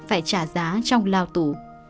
phải trả giá trong lao tủ